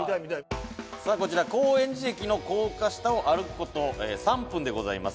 「さあこちら高円寺駅の高架下を歩く事３分でございます」